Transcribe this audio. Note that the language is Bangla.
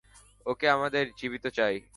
ওকে আমাদের জীবিত চাই।